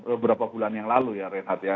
beberapa bulan yang lalu ya reinhardt ya